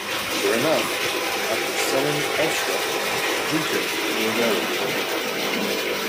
Sure enough, after selling Elstrup, Luton were relegated.